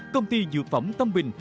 công ty dược phẩm tâm bình